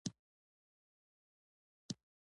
ولې یو شمېر خلکو د عربو واکمنانو پر وړاندې پاڅون وکړ؟